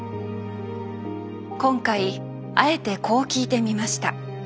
今回あえてこう聞いてみました。